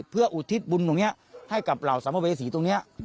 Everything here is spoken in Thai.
เพื่ออุทิศบุญตรงนี้ให้กับเหล่าสัมภเวษีตรงนี้